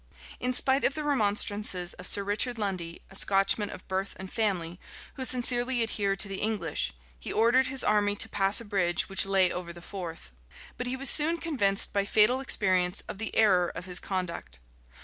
In spite of the remonstrances of Sir Richard Lundy, a Scotchman of birth and family, who sincerely adhered to the English, he ordered his army to pass a bridge which lay over the Forth; but he was soon convinced, by fatal experience, of the error of his conduct.